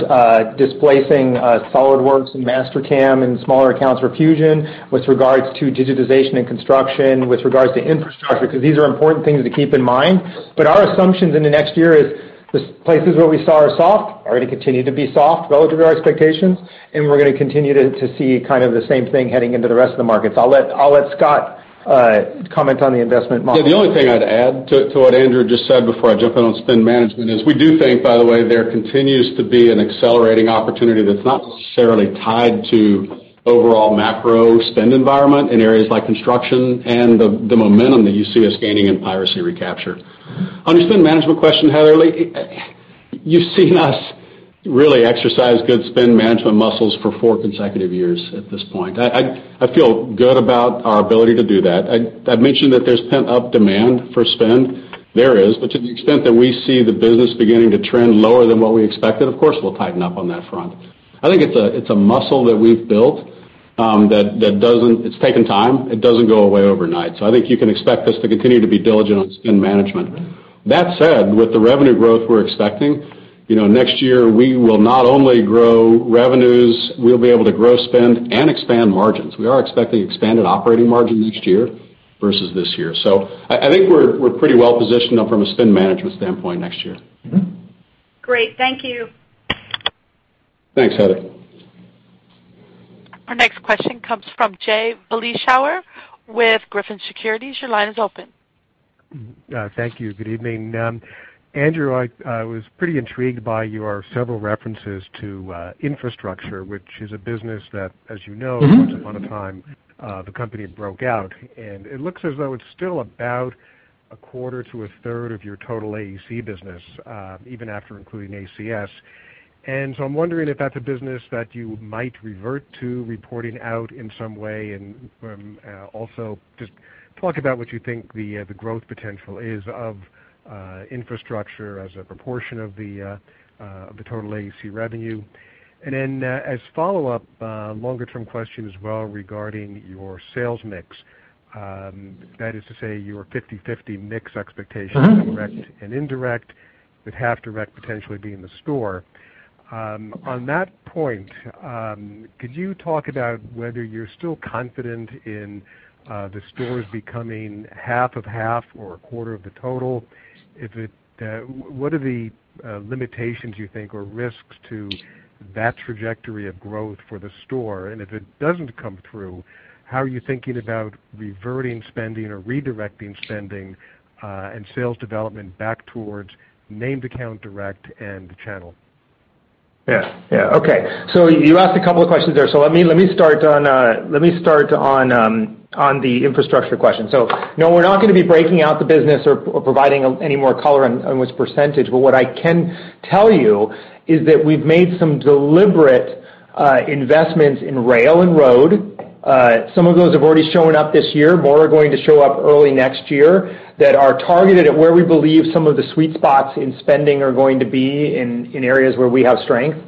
displacing SOLIDWORKS and Mastercam and smaller accounts for Fusion, with regards to digitization and construction, with regards to infrastructure, because these are important things to keep in mind. Our assumptions in the next year is the places where we saw are soft are going to continue to be soft relative to our expectations, and we're going to continue to see the same thing heading into the rest of the markets. I'll let Scott comment on the investment model. Yeah, the only thing I'd add to what Andrew just said before I jump in on spend management is we do think, by the way, there continues to be an accelerating opportunity that's not necessarily tied to overall macro spend environment in areas like construction and the momentum that you see us gaining in piracy recapture. On your spend management question, Heather, you've seen us really exercise good spend management muscles for four consecutive years at this point. I feel good about our ability to do that. I've mentioned that there's pent-up demand for spend. There is. To the extent that we see the business beginning to trend lower than what we expected, of course, we'll tighten up on that front. I think it's a muscle that we've built. It's taken time. It doesn't go away overnight. I think you can expect us to continue to be diligent on spend management. That said, with the revenue growth we're expecting, next year, we will not only grow revenues, we'll be able to grow spend and expand margins. We are expecting expanded operating margins next year versus this year. I think we're pretty well positioned from a spend management standpoint next year. Great. Thank you. Thanks, Heather. Our next question comes from Jay Vleeschhouwer with Griffin Securities. Your line is open. Thank you. Good evening. Andrew, I was pretty intrigued by your several references to infrastructure, which is a business that, as you know. Once upon a time, the company broke out, and it looks as though it's still about a quarter to a third of your total AEC business, even after including ACS. I'm wondering if that's a business that you might revert to reporting out in some way, and also just talk about what you think the growth potential is of infrastructure as a proportion of the total AEC revenue. As follow-up, a longer-term question as well regarding your sales mix. That is to say, your 50/50 mix expectations. direct and indirect, with half direct potentially being the store. On that point, could you talk about whether you're still confident in the stores becoming half of half or a quarter of the total? What are the limitations you think, or risks to that trajectory of growth for the store? If it doesn't come through, how are you thinking about reverting spending or redirecting spending and sales development back towards named account direct and the channel? Yeah. Okay. You asked a couple of questions there. Let me start on the infrastructure question. No, we're not going to be breaking out the business or providing any more color on which percentage, but what I can tell you is that we've made some deliberate investments in rail and road. Some of those have already shown up this year. More are going to show up early next year, that are targeted at where we believe some of the sweet spots in spending are going to be in areas where we have strength.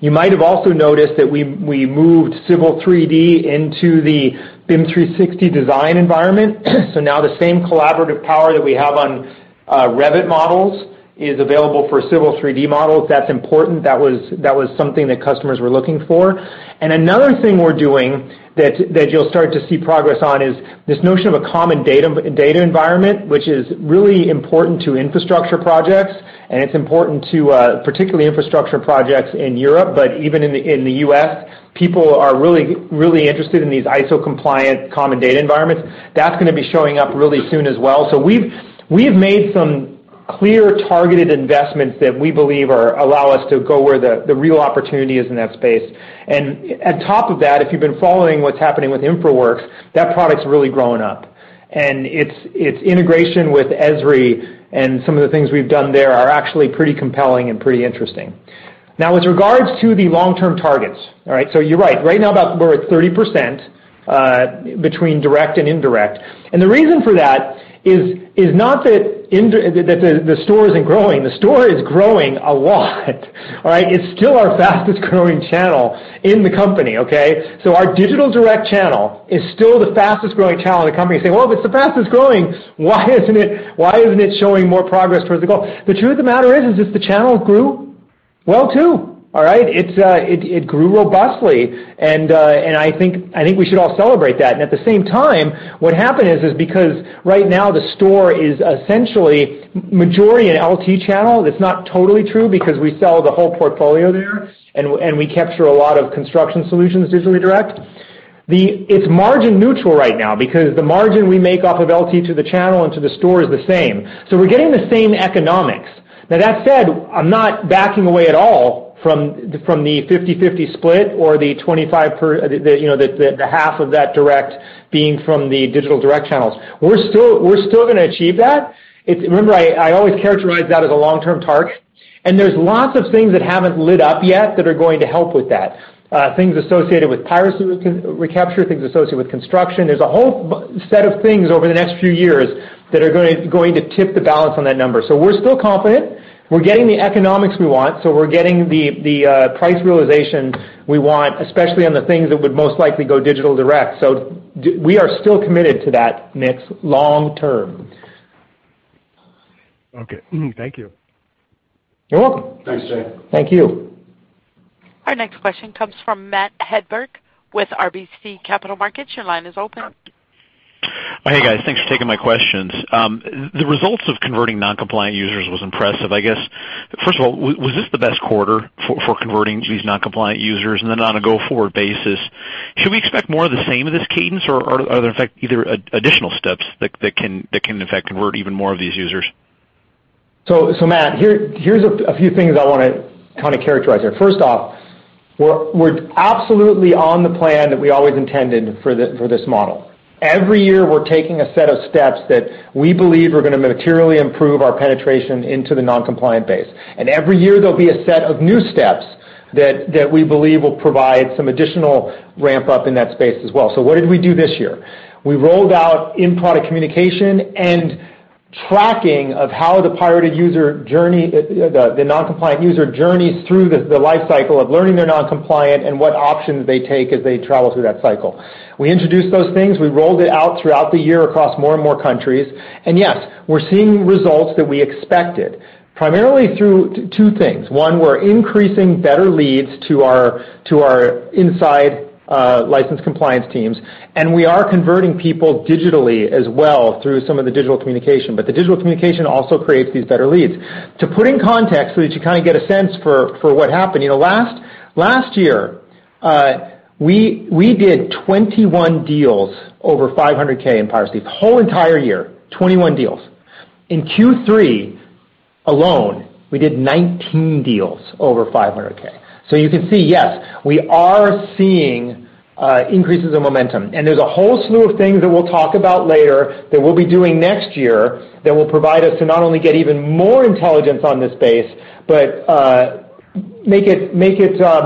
You might have also noticed that we moved Civil 3D into the BIM 360 Design environment. Now the same collaborative power that we have on Revit models is available for Civil 3D models. That's important. That was something that customers were looking for. Another thing we're doing that you'll start to see progress on is this notion of a common data environment, which is really important to infrastructure projects, and it's important to particularly infrastructure projects in Europe, but even in the U.S. People are really interested in these ISO compliant common data environments. That's going to be showing up really soon as well. We've made some clear targeted investments that we believe allow us to go where the real opportunity is in that space. On top of that, if you've been following what's happening with InfraWorks, that product's really grown up. Its integration with Esri and some of the things we've done there are actually pretty compelling and pretty interesting. Now, with regards to the long-term targets. All right? You're right. Right now, we're at 30% between direct and indirect. The reason for that is not that the store isn't growing. The store is growing a lot. All right? It's still our fastest-growing channel in the company. Okay? Our digital direct channel is still the fastest-growing channel in the company. You say, "Well, if it's the fastest-growing, why isn't it showing more progress towards the goal?" The truth of the matter is, just the channel grew well, too. All right? It grew robustly. I think we should all celebrate that. At the same time, what happened is because right now the store is essentially majority in LT channel. That's not totally true because we sell the whole portfolio there and we capture a lot of construction solutions digitally direct. It's margin neutral right now because the margin we make off of LT to the channel and to the store is the same. We're getting the same economics. That said, I'm not backing away at all from the 50/50 split or the half of that direct being from the digital direct channels. We're still going to achieve that. Remember, I always characterize that as a long-term target. There's lots of things that haven't lit up yet that are going to help with that. Things associated with piracy recapture, things associated with construction. There's a whole set of things over the next few years that are going to tip the balance on that number. We're still confident. We're getting the economics we want, so we're getting the price realization we want, especially on the things that would most likely go digital direct. We are still committed to that mix long term. Okay. Thank you. You're welcome. Thanks, Jay. Thank you. Our next question comes from Matt Hedberg with RBC Capital Markets. Your line is open. Hey, guys. Thanks for taking my questions. The results of converting non-compliant users was impressive. I guess, first of all, was this the best quarter for converting these non-compliant users? On a go-forward basis, should we expect more of the same of this cadence, or are there, in fact, either additional steps that can, in fact, convert even more of these users? Matt, here's a few things I want to kind of characterize here. First off, we're absolutely on the plan that we always intended for this model. Every year, we're taking a set of steps that we believe are going to materially improve our penetration into the non-compliant base. Every year, there'll be a set of new steps that we believe will provide some additional ramp-up in that space as well. What did we do this year? We rolled out in-product communication and tracking of how the pirated user journey, the non-compliant user journeys through the life cycle of learning they're non-compliant and what options they take as they travel through that cycle. We introduced those things. We rolled it out throughout the year across more and more countries. Yes, we're seeing results that we expected, primarily through two things. We're increasing better leads to our inside license compliance teams, we are converting people digitally as well through some of the digital communication. The digital communication also creates these better leads. To put in context so that you kind of get a sense for what happened, last year, we did 21 deals over 500,000 in piracy. The whole entire year, 21 deals. In Q3 alone, we did 19 deals over 500,000. You can see, yes, we are seeing increases in momentum. There's a whole slew of things that we'll talk about later that we'll be doing next year that will provide us to not only get even more intelligence on this base, but make it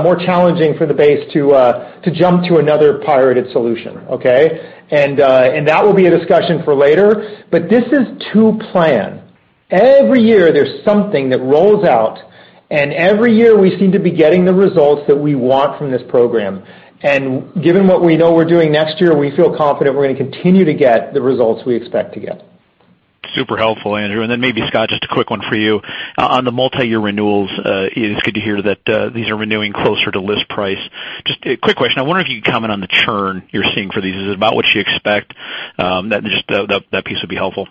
more challenging for the base to jump to another pirated solution. Okay? That will be a discussion for later. This is to plan. Every year, there's something that rolls out, and every year, we seem to be getting the results that we want from this program. Given what we know we're doing next year, we feel confident we're going to continue to get the results we expect to get. Super helpful, Andrew. Then maybe, Scott, just a quick one for you. On the multi-year renewals, it is good to hear that these are renewing closer to list price. Just a quick question. I wonder if you could comment on the churn you're seeing for these. Is it about what you expect? Just that piece would be helpful.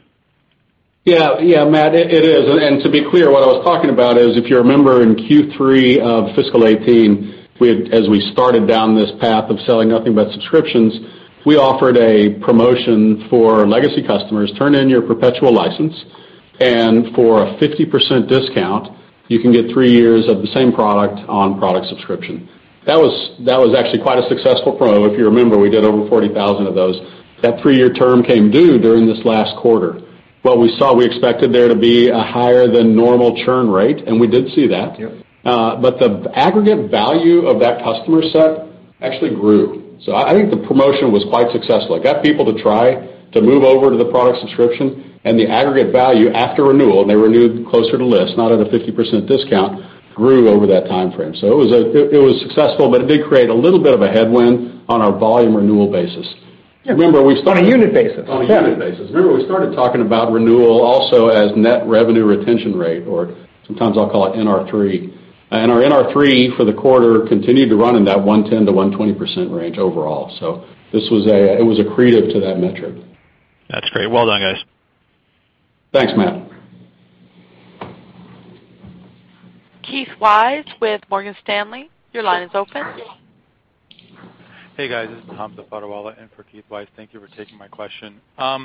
Yeah, Matt, it is. To be clear, what I was talking about is, if you remember in Q3 of fiscal 2018, as we started down this path of selling nothing but subscriptions, we offered a promotion for legacy customers. Turn in your perpetual license and for a 50% discount, you can get 3 years of the same product on product subscription. That was actually quite a successful promo. If you remember, we did over 40,000 of those. That 3-year term came due during this last quarter. What we saw, we expected there to be a higher than normal churn rate, and we did see that. Yep. The aggregate value of that customer set actually grew. I think the promotion was quite successful. It got people to try to move over to the product subscription and the aggregate value after renewal, and they renewed closer to list, not at a 50% discount, grew over that timeframe. It was successful, but it did create a little bit of a headwind on our volume renewal basis. Remember, we started- On a unit basis. Yeah on a unit basis. Remember, we started talking about renewal also as net revenue retention rate, or sometimes I'll call it NR3. Our NR3 for the quarter continued to run in that 110%-120% range overall. It was accretive to that metric. That's great. Well done, guys. Thanks, Matt. Keith Weiss with Morgan Stanley, your line is open. Hey, guys. This is Hamza fodderwala in for Keith Weiss. Thank you for taking my question. I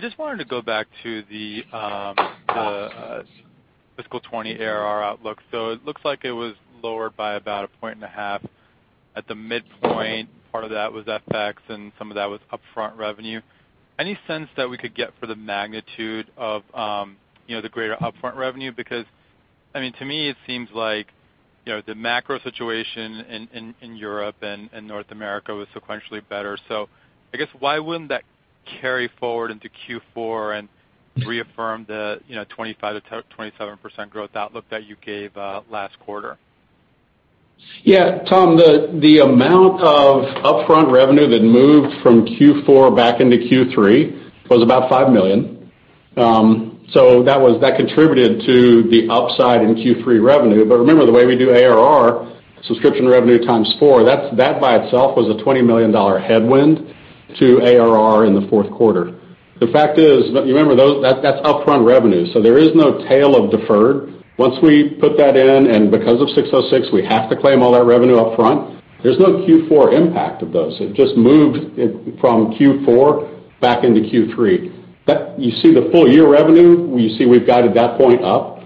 just wanted to go back to the fiscal 2020 ARR outlook. It looks like it was lowered by about a point and a half at the midpoint. Part of that was FX, and some of that was upfront revenue. Any sense that we could get for the magnitude of the greater upfront revenue? To me, it seems like the macro situation in Europe and North America was sequentially better. I guess why wouldn't that carry forward into Q4 and reaffirm the 25%-27% growth outlook that you gave last quarter? Tom, the amount of upfront revenue that moved from Q4 back into Q3 was about $5 million. That contributed to the upside in Q3 revenue. Remember, the way we do ARR, subscription revenue times four, that by itself was a $20 million headwind to ARR in the fourth quarter. The fact is, remember, that's upfront revenue, there is no tail of deferred. Once we put that in, because of 606, we have to claim all that revenue up front. There's no Q4 impact of those. It just moved from Q4 back into Q3. You see the full-year revenue, we've guided that point up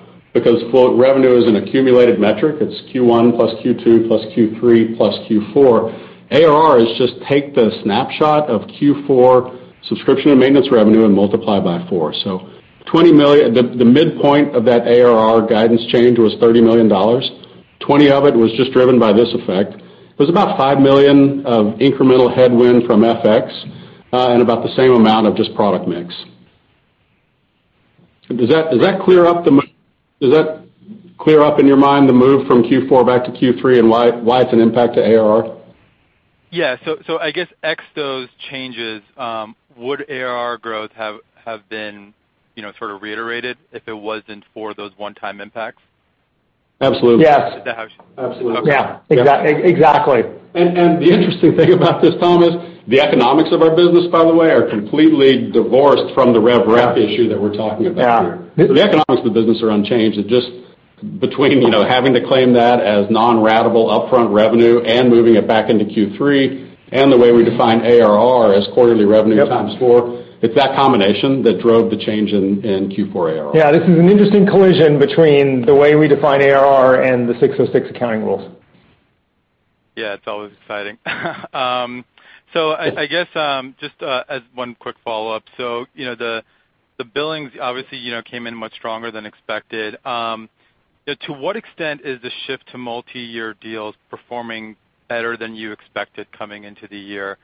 full revenue is an accumulated metric. It's Q1 plus Q2 plus Q3 plus Q4. ARR is just take the snapshot of Q4 subscription and maintenance revenue and multiply by four. The midpoint of that ARR guidance change was $30 million. 20 of it was just driven by this effect. It was about $5 million of incremental headwind from FX, and about the same amount of just product mix. Does that clear up, in your mind, the move from Q4 back to Q3, and why it's an impact to ARR? Yeah. I guess ex those changes, would ARR growth have been sort of reiterated if it wasn't for those one-time impacts? Absolutely. Yes. Is that how- Absolutely. Yeah. Exactly. The interesting thing about this, Tom, is the economics of our business, by the way, are completely divorced from the rev rec issue that we're talking about here. Yeah. The economics of the business are unchanged. It's just between having to claim that as non-ratable upfront revenue and moving it back into Q3, and the way we define ARR as quarterly revenue times four. Yep. It's that combination that drove the change in Q4 ARR. Yeah. This is an interesting collision between the way we define ARR and the 606 accounting rules. Yeah. It's always exciting. I guess, just as one quick follow-up. The billings obviously came in much stronger than expected. To what extent is the shift to multi-year deals performing better than you expected coming into the year?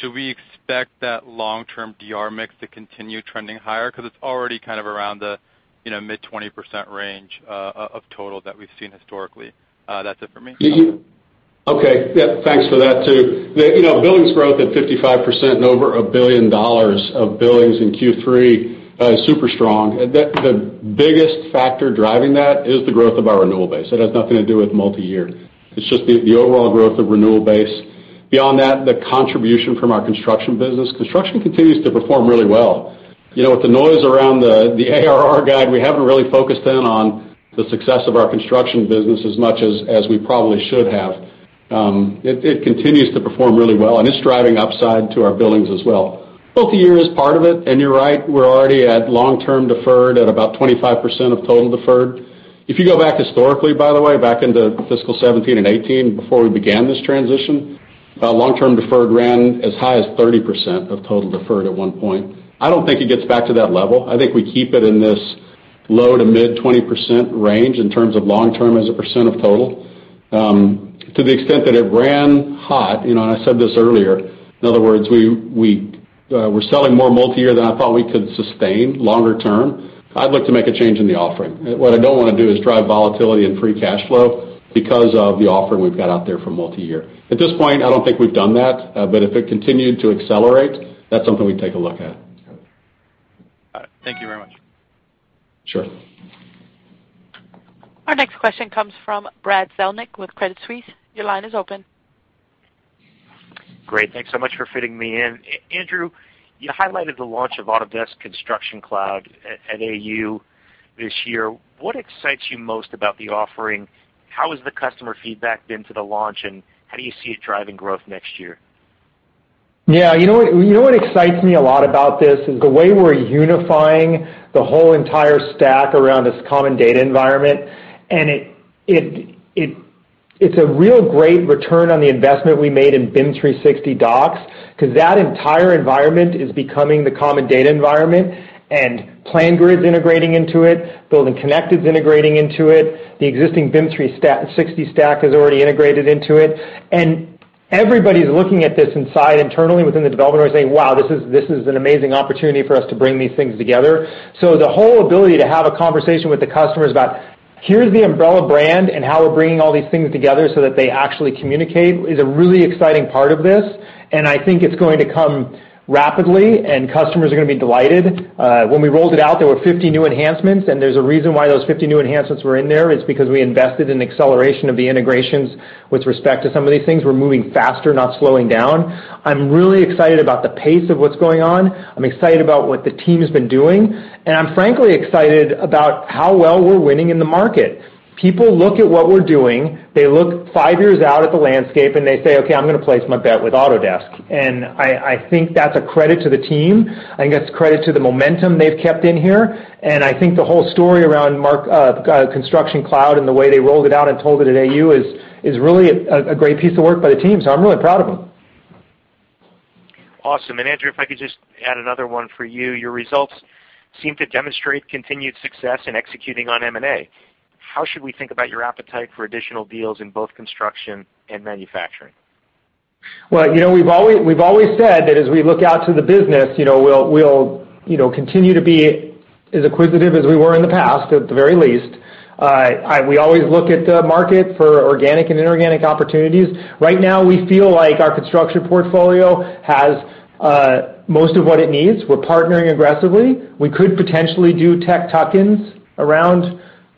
Should we expect that long-term DR mix to continue trending higher? Because it's already around the mid-20% range of total that we've seen historically. That's it for me. Okay. Yeah, thanks for that, too. Billings growth at 55% and over $1 billion of billings in Q3, super strong. The biggest factor driving that is the growth of our renewal base. It has nothing to do with multi-year. It's just the overall growth of renewal base. Beyond that, the contribution from our construction business. Construction continues to perform really well. With the noise around the ARR guide, we haven't really focused in on the success of our construction business as much as we probably should have. It continues to perform really well, and it's driving upside to our billings as well. Multi-year is part of it, and you're right, we're already at long-term deferred at about 25% of total deferred. If you go back historically, by the way, back into fiscal 2017 and 2018 before we began this transition, long-term deferred ran as high as 30% of total deferred at one point. I don't think it gets back to that level. I think we keep it in this low- to mid-20% range in terms of long term as a percent of total. To the extent that it ran hot, and I said this earlier, in other words, we're selling more multi-year than I thought we could sustain longer term, I'd look to make a change in the offering. What I don't want to do is drive volatility in free cash flow because of the offering we've got out there for multi-year. At this point, I don't think we've done that, but if it continued to accelerate, that's something we'd take a look at. Got it. All right. Thank you very much. Sure. Our next question comes from Brad Zelnick with Credit Suisse. Your line is open. Great. Thanks so much for fitting me in. Andrew, you highlighted the launch of Autodesk Construction Cloud at AU this year. What excites you most about the offering? How has the customer feedback been to the launch, and how do you see it driving growth next year? Yeah. You know what excites me a lot about this is the way we're unifying the whole entire stack around this common data environment. It's a real great return on the investment we made in BIM 360 Docs, because that entire environment is becoming the common data environment, and PlanGrid's integrating into it, BuildingConnected's integrating into it. The existing BIM 360 stack is already integrated into it. Everybody's looking at this inside internally within the development world saying, "Wow, this is an amazing opportunity for us to bring these things together." The whole ability to have a conversation with the customers about, here's the umbrella brand and how we're bringing all these things together so that they actually communicate, is a really exciting part of this. I think it's going to come rapidly, and customers are going to be delighted. When we rolled it out, there were 50 new enhancements. There's a reason why those 50 new enhancements were in there. It's because we invested in acceleration of the integrations with respect to some of these things. We're moving faster, not slowing down. I'm really excited about the pace of what's going on. I'm excited about what the team's been doing. I'm frankly excited about how well we're winning in the market. People look at what we're doing. They look five years out at the landscape and they say, "Okay, I'm going to place my bet with Autodesk." I think that's a credit to the team. I think that's credit to the momentum they've kept in here. I think the whole story around Autodesk Construction Cloud and the way they rolled it out and told it at AU is really a great piece of work by the team. I'm really proud of them. Awesome. Andrew, if I could just add another one for you. Your results seem to demonstrate continued success in executing on M&A. How should we think about your appetite for additional deals in both construction and manufacturing? Well, we've always said that as we look out to the business, we'll continue to be as acquisitive as we were in the past, at the very least. We always look at the market for organic and inorganic opportunities. Right now, we feel like our construction portfolio has most of what it needs. We're partnering aggressively. We could potentially do tech tuck-ins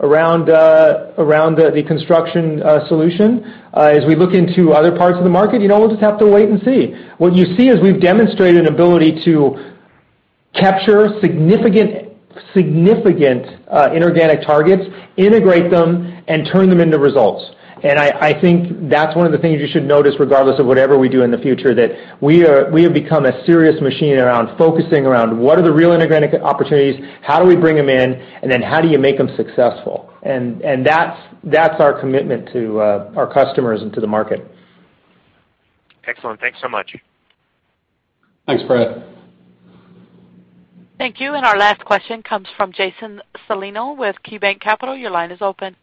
around the construction solution. As we look into other parts of the market, we'll just have to wait and see. What you see is we've demonstrated an ability to capture significant inorganic targets, integrate them, and turn them into results. I think that's one of the things you should notice, regardless of whatever we do in the future, that we have become a serious machine around focusing around what are the real inorganic opportunities, how do we bring them in, and then how do you make them successful. That's our commitment to our customers and to the market. Excellent. Thanks so much. Thanks, Brad. Thank you. Our last question comes from Jason Celino with KeyBanc Capital. Your line is open.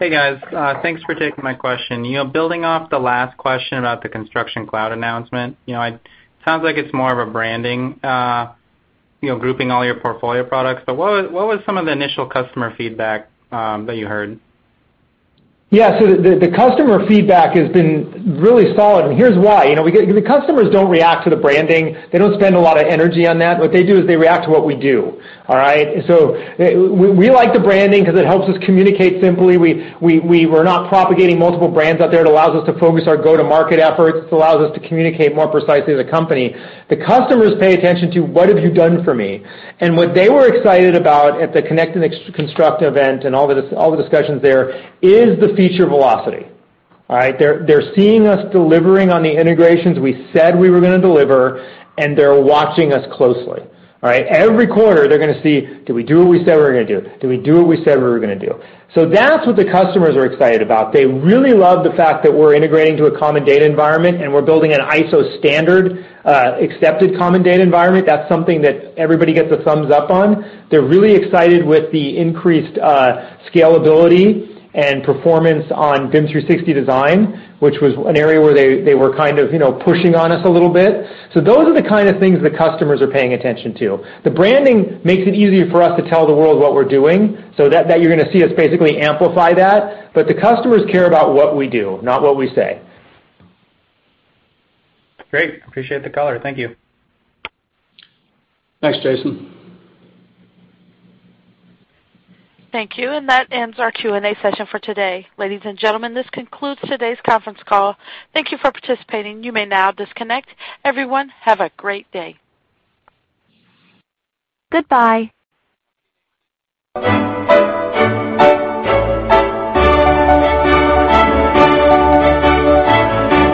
Hey, guys. Thanks for taking my question. Building off the last question about the Autodesk Construction Cloud announcement, it sounds like it's more of a branding, grouping all your portfolio products. What was some of the initial customer feedback that you heard? Yeah. The customer feedback has been really solid, and here's why. The customers don't react to the branding. They don't spend a lot of energy on that. What they do is they react to what we do. All right? We like the branding because it helps us communicate simply. We're not propagating multiple brands out there. It allows us to focus our go-to-market efforts. It allows us to communicate more precisely as a company. The customers pay attention to, what have you done for me? What they were excited about at the Connect & Construct event and all the discussions there is the feature velocity. All right? They're seeing us delivering on the integrations we said we were going to deliver, and they're watching us closely. All right? Every quarter, they're going to see, did we do what we said we were going to do? Did we do what we said we were going to do? That's what the customers are excited about. They really love the fact that we're integrating to a common data environment, and we're building an ISO standard accepted common data environment. That's something that everybody gets a thumbs up on. They're really excited with the increased scalability and performance on BIM 360 Design, which was an area where they were kind of pushing on us a little bit. Those are the kind of things the customers are paying attention to. The branding makes it easier for us to tell the world what we're doing. That, you're going to see us basically amplify that. The customers care about what we do, not what we say. Great. Appreciate the color. Thank you. Thanks, Jason. Thank you. That ends our Q&A session for today. Ladies and gentlemen, this concludes today's conference call. Thank you for participating. You may now disconnect. Everyone, have a great day. Goodbye.